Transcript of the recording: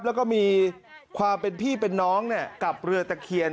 แล้วก็มีความเป็นพี่เป็นน้องกับเรือตะเคียน